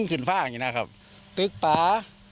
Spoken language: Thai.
ขึ้นฝ้าอย่างนี้นะครับตึกป่า